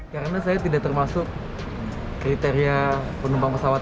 karena saya tidak termasuk kriteria penumpang pesawat